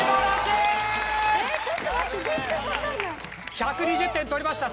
１２０点取りました。